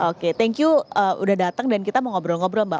oke thank you udah datang dan kita mau ngobrol ngobrol mbak